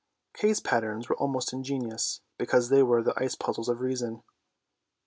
Kay's patterns were most ingenious, because they were the " Ice puzzles of Reason."